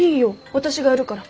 私がやるから。